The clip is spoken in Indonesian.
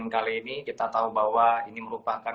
kali ini kita tahu bahwa ini merupakan